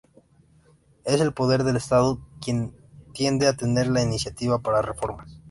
Es el poder del Estado quien tiende a tener la iniciativa para reformas.